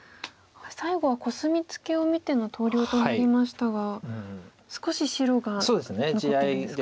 最後はコスミツケを見ての投了となりましたが少し白が残ってるんですか。